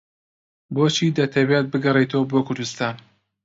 بۆچی دەتەوێت بگەڕێیتەوە بۆ کوردستان؟